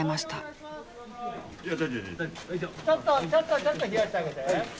ちょっとちょっとちょっと冷やしてあげて。